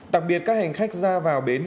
đặc biệt các hành khách ra vào bến